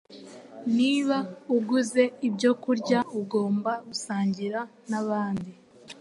Niba uguze ibyo kurya ugomba gusangira n’abandi?